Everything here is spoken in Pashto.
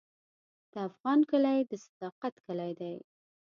د افغان کلی د صداقت کلی دی.